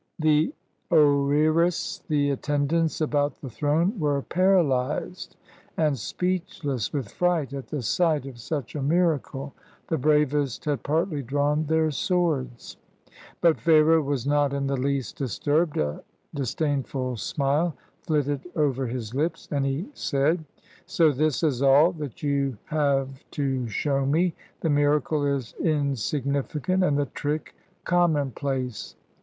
The oeris and attendants about the throne were paralyzed and speechless with fright at the sight of such a miracle. The bravest had partly drawn their swords. But Pharaoh was not in the least disturbed; a dis dainful smile flitted over his lips, and he said, —" So this is all that you have to show me. The miracle is insignificant, and the trick commonplace.